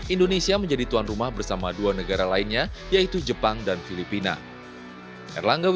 indonesia menjadi tuan rumah bersama dua negara lainnya yaitu jepang dan filipina